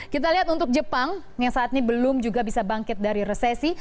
kita lihat untuk jepang yang saat ini belum juga bisa bangkit dari resesi